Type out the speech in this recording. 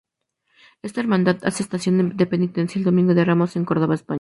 Esta hermandad hace estación de Penitencia el Domingo de Ramos en Córdoba, España.